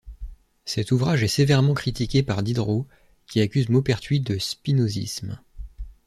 Cet ouvrage est sévèrement critiqué par Diderot, qui accuse Maupertuis de spinozisme.